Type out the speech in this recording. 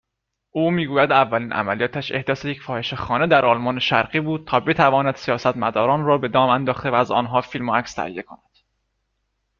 او میگوید اولین عملیاتش احداث یک فاحشهخانه در آلمان شرقی بود تا بتواند سیاستمداران را به دام انداخته و از آنها فیلم و عکس تهیه کند